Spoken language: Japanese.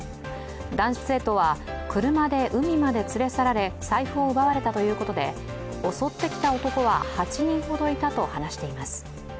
男子生徒は車で海まで連れ去られ、財布を奪われたということで襲ってきた男は８人ほどいたと話しています。